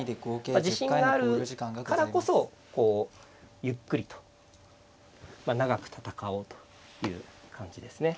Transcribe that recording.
自信があるからこそこうゆっくりと長く戦おうという感じですね。